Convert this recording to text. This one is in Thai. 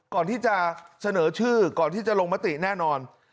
ก่อนที่จะเสนอชื่อก่อนที่จะลงมติแน่นอน